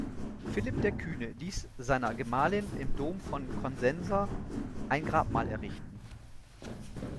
Philipp der Kühne ließ seiner Gemahlin im Dom von Cosenza ein Grabmal errichten.